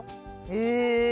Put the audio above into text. へえ。